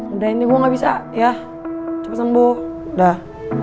udah ini gue gak bisa ya coba sembuh udah